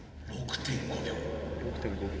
６．５秒。